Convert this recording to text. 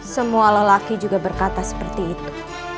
semua lelaki juga berkata seperti itu